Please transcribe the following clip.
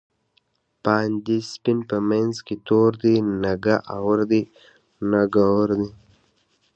باندی سپین په منځ کی تور دۍ، نگه اور دی نگه اور دی